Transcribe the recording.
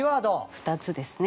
２つですね。